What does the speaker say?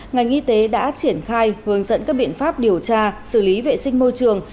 ngành y tế đã triển khai hướng dẫn các biện pháp điều tra xử lý vệ sinh môi trường